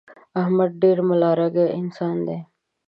احمد ډېر ملا رګی انسان دی.